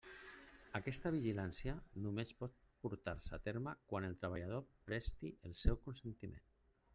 Aquesta vigilància només pot portar-se a terme quan el treballador presti el seu consentiment.